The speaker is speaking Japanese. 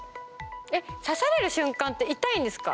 え刺される瞬間って痛いんですか？